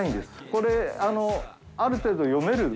これ、ある程度読める。